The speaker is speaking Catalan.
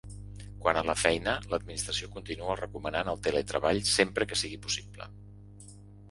Quant a la feina, l’administració continua recomanant el teletreball sempre que sigui possible.